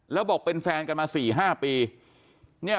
แล้วบอกเป็นแฟนกันมา๔๕ปี